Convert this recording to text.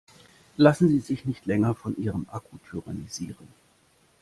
Lassen Sie sich nicht länger von ihrem Akku tyrannisieren!